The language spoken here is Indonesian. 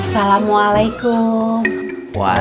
yang kamu emang emang berjaya ya